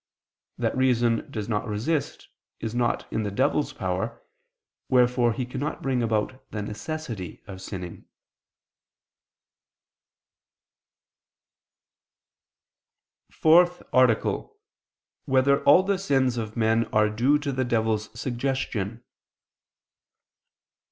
That reason does not resist, is not in the devil's power; wherefore he cannot bring about the necessity of sinning. ________________________ FOURTH ARTICLE [I II, Q. 80, Art. 4] Whether All the Sins of Men Are Due to the Devil's Suggestion?